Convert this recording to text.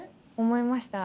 思いました。